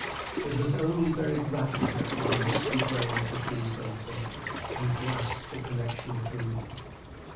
It was only very gradually that my misty brain took these things in, and grasped the connection between them.